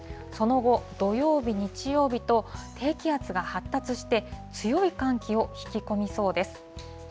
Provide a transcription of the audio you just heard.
その後、土曜日、日曜日と、低気圧が発達して、強い寒気を引き込みそうです。